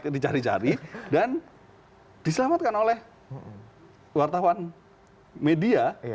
dicari cari dan diselamatkan oleh wartawan media